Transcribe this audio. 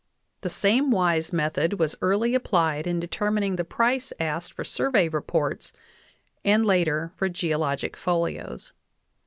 The same wise method was early applied in determining the price asked for Survey reports and later for geologic folios.